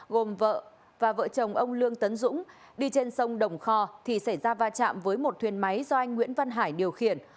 gồm vợ và vợ chồng ông lương tấn dũng đi trên sông đồng kho thì xảy ra va chạm với một thuyền máy do anh nguyễn văn hải điều khiển